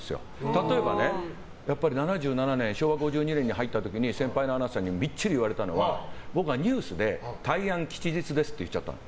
例えば年昭和５２年に入った時先輩のアナウンサーにみっちり言われたのは僕はニュースで「たいあんきちじつです」って言っちゃったの。